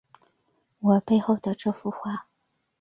我背后的这幅画